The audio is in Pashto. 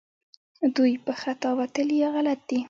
دوی په خطا وتلي یا غلط دي